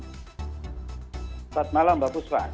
selamat malam mbak buswa